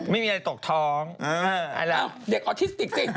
ไม่มีอะไรตกท้องเด็กออทิสติกสิ